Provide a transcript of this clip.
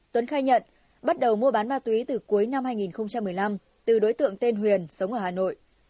tuấn khai nhận bắt đầu mua bán ma túy từ cuối năm hai nghìn một mươi năm từ đối tượng tên huyền sống ở hà nội